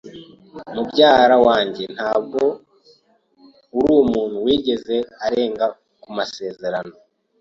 Mubyara wanjye ntabwo arumuntu wigeze arenga ku masezerano.